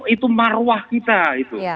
itu marwah kita itu